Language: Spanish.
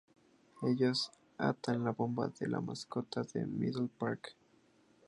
Ellos atan la bomba a la mascota de Middle Park.